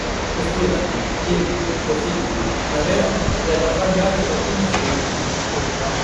Estudan, limpan, cociñan, navegan e ata fan gardas nocturnas e diúrnas.